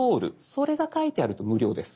それが書いてあると無料です。